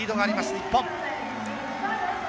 日本。